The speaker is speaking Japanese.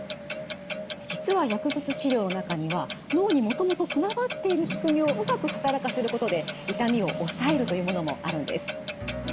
実は薬物治療の中には脳にもともと備わっているしくみをうまく働かせることで痛みを抑えるというものもあるんです。